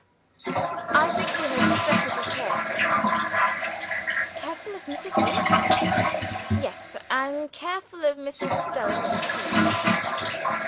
"I think you had better be careful." "Careful of Mrs. Rook?" "Yes and careful of Mrs. Delvin too."